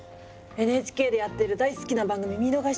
ＮＨＫでやってる大好きな番組見逃しちゃったのよ。